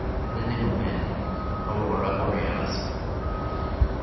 THE NIMBLE MEN. (AURORA BOREALIS.)